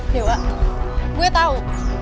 dewa gue tau